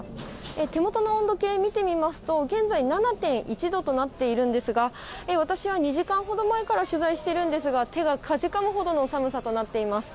手元の温度計見てみますと、現在、７．１度となっているんですが、私は２時間ほど前から取材してるんですが、手がかじかむほどの寒さとなっています。